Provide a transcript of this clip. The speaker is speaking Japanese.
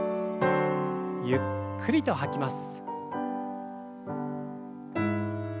ゆっくりと吐きます。